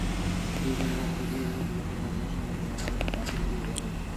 দুই ভাইয়ে ভাগাভাগি হইয়া কলিকাতার ভদ্রাসন-বাটীর মাঝামাঝি প্রাচীর উঠিয়া গেল।